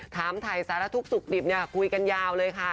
ถามไถรไซรทุกษุกฏิบคุยกันยาวเลยค่ะ